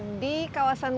saat ini kita berisikkan